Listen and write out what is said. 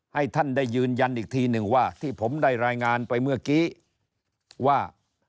ให้ท่านได้ยืนยันอีกทีหนึ่งว่าที่ผมได้รายงานไปเมื่อกี้ว่า